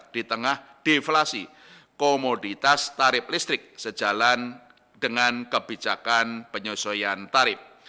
di tengah deflasi komoditas tarif listrik sejalan dengan kebijakan penyesuaian tarif